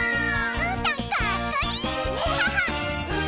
うーたんかっこいいー！